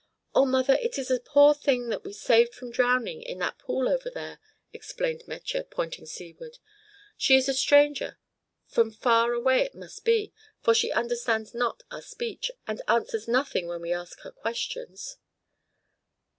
"Oh, mother, it is a poor thing that we saved from drowning in that pool over there," explained Metje, pointing seaward. "She is a stranger, from far away it must be, for she understands not our speech, and answers nothing when we ask her questions."